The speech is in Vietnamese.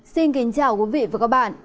xin kính chào quý vị và các bạn